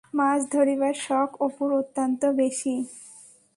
মাছ ধরিবার শখ অপুর অত্যন্ত বেশি।